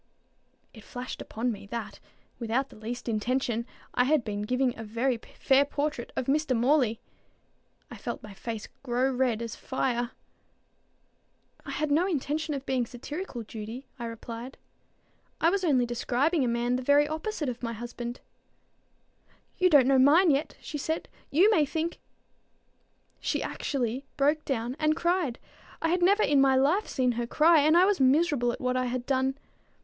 It flashed upon me, that, without the least intention, I had been giving a very fair portrait of Mr. Morley. I felt my face grow as red as fire. "I had no intention of being satirical, Judy," I replied. "I was only describing a man the very opposite of my husband." "You don't know mine yet," she said. "You may think" She actually broke down and cried. I had never in my life seen her cry, and I was miserable at what I had done.